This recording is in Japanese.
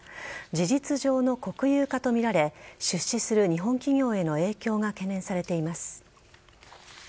事実上の国有化とみられ出資する日本企業への影響が懸念されています。